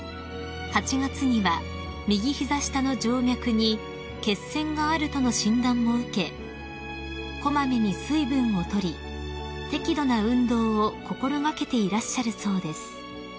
８月には右膝下の静脈に血栓があるとの診断も受け小まめに水分を取り適度な運動を心掛けていらっしゃるそうです］